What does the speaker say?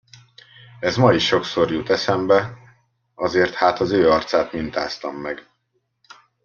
Ez ma is sokszor jut eszembe, azért hát az ő arcát mintáztam meg.